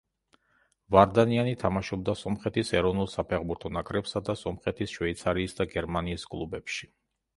ვარდანიანი თამაშობდა სომხეთის ეროვნულ საფეხბურთო ნაკრებსა და სომხეთის, შვეიცარიის და გერმანიის კლუბებში.